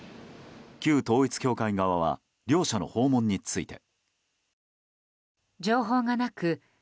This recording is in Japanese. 旧統一教会側は両者の訪問について。